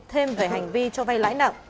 thêm về hành vi cho vay lãi nặng